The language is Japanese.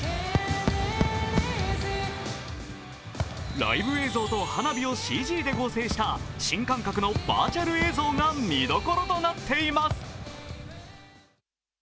ライブ映像と花火をＣＧで合成した新感覚のバーチャル映像が見どころとなっています。